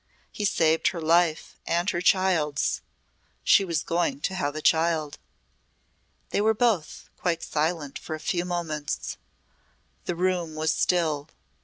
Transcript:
He saved her life and her child's. She was going to have a child." They were both quite silent for a few moments. The room was still.